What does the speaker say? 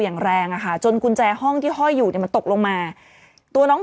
อย่างแรงอะค่ะจนกุญแจห้องที่ห้อยอยู่เนี่ยมันตกลงมาตัวน้อง